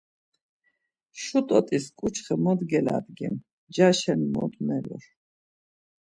Şu t̆ot̆is ǩuçxe mod geladgim, ncaşen mod melur.